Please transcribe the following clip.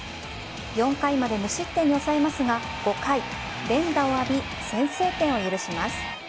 ４回まで無失点に抑えますが５回連打を浴び、先制点を許します。